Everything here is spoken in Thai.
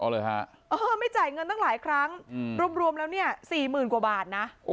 เลยฮะเออไม่จ่ายเงินตั้งหลายครั้งรวมแล้วเนี่ยสี่หมื่นกว่าบาทนะ